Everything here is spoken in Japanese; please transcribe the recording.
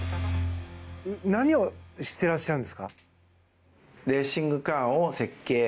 何をしてらっしゃるんですか。